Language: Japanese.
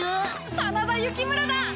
真田幸村だ！